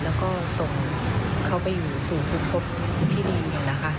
แล้วก็ส่งเขาไปอยู่สู่ภูมิพบที่ดีนะคะ